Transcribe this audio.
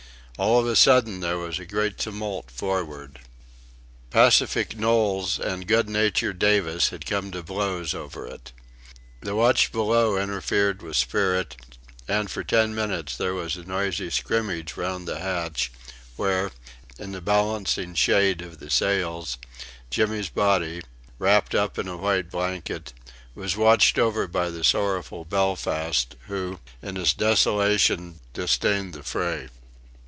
All of a sudden there was a great tumult forward. Pacific Knowles and good tempered Davis had come to blows over it. The watch below interfered with spirit, and for ten minutes there was a noisy scrimmage round the hatch, where, in the balancing shade of the sails, Jimmy's body, wrapped up in a white blanket, was watched over by the sorrowful Belfast, who, in his desolation, disdained the fray.